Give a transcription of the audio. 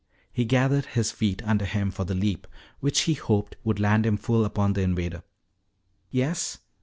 He gathered his feet under him for the leap which he hoped would land him full upon the invader. "Yes?"